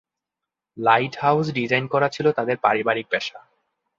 Light house design করা ছিল তাদের পারিবারিক পেশা।